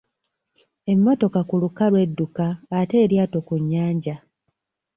Emmotoka ku lukalu edduka ate eryato ku nnyanja?